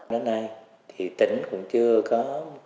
hôm nay thì tỉnh cũng chưa có